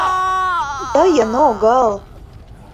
Тыйын огыл!..